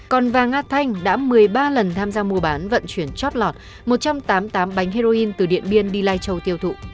còn vàng nga thanh đã một mươi ba lần tham gia mua bán vận chuyển chót lọt một trăm tám mươi tám bánh heroin từ điện biên đi lai châu tiêu thụ